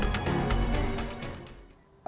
batan membantah reaktor miliknya